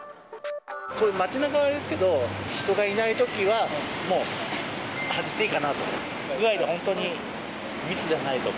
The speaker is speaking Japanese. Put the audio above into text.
こういう街なかはですけど、人がいないときは、もう外していいかなと。